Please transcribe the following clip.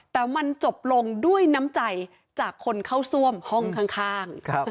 แต่มันจบลงด้วยน้ำใจจากคนเข้าซ่วมห้องข้าง